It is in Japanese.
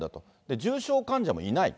重症患者もいないと。